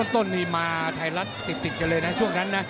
ต้นนี้มาไทยรัฐติดกันเลยนะช่วงนั้นนะ